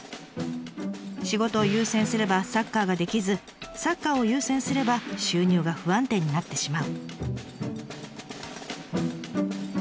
仕事を優先すればサッカーができずサッカーを優先すれば収入が不安定になってしまう。